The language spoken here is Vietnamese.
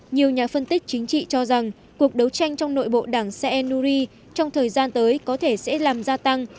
nhiều nhà phân tích chính trị cho rằng cuộc đấu tranh trong nội bộ đảng se en nuri trong thời gian tới có thể sẽ làm gia tăng